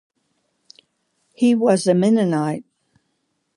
He was a Mennonite.